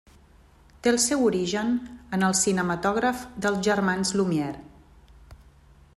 Té el seu origen en el cinematògraf dels germans Lumière.